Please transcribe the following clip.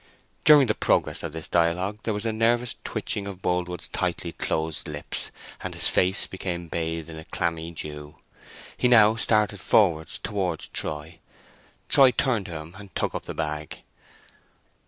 During the progress of this dialogue there was a nervous twitching of Boldwood's tightly closed lips, and his face became bathed in a clammy dew. He now started forward towards Troy. Troy turned to him and took up the bag.